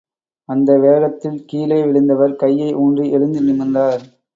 அந்த வேகத்தில் கீழே விழுந்தவர் கையை ஊன்றி எழுந்து நிமிர்ந்தார்.